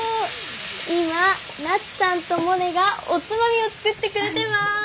今菜津さんとモネがおつまみを作ってくれてます！